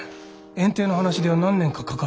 園丁の話では何年かかかると。